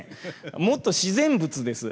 もっと自然物です。